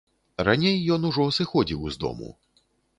Раней ён ужо сыходзіў з дому.